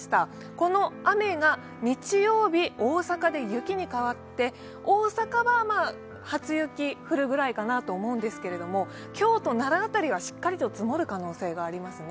この雨が日曜日、大阪で雪に変わって大阪は初雪が降るぐらいかなと思うんですけれども、京都、奈良辺りはしっかり積もりそうな感じがありますね。